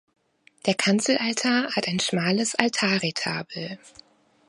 Der Kanzelaltar hat ein schmales Altarretabel.